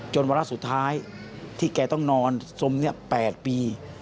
วาระสุดท้ายที่แกต้องนอนสมนี้๘ปี